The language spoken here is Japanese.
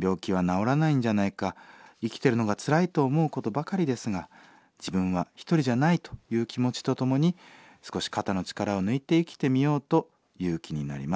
病気は治らないんじゃないか生きてるのがつらいと思うことばかりですが自分は１人じゃないという気持ちとともに少し肩の力を抜いて生きてみようという気になります。